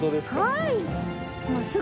はい！